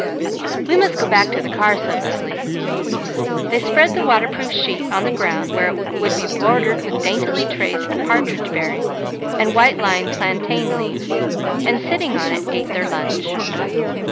"We must go back to the car," said Leslie. They spread the waterproof sheet on the ground where it would be bordered with daintily traced partridge berry, and white lined plantain leaves, and sitting on it ate their lunch.